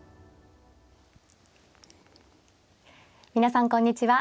皆さんこんにちは。